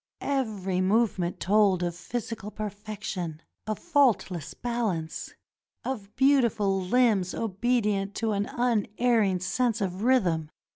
Every movement told of physical perfection, of faultless balance, of beautiful limbs obedient to an unerring sense of rhythm.